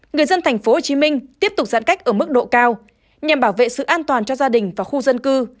người dân tp hcm tiếp tục giãn cách ở mức độ cao nhằm bảo vệ sự an toàn cho gia đình và khu dân cư